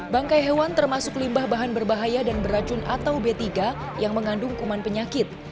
bangkai hewan termasuk limbah bahan berbahaya dan beracun atau b tiga yang mengandung kuman penyakit